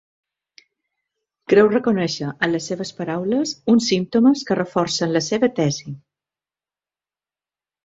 Creu reconèixer en les seves paraules uns símptomes que reforcen la seva tesi.